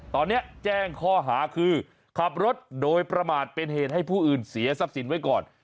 ตอนนี้แจ้งข้อหาคือขับรถโดยประมาทเป็นเหตุให้ผู้อื่นเสียทรัพย์สินไว้ก่อน